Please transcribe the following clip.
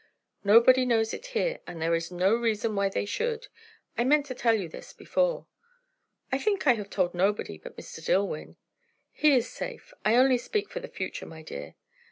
"Nobody knows it here; and there is no reason why they should. I meant to tell you this before." "I think I have told nobody but Mr. Dillwyn." "He is safe. I only speak for the future, my dear."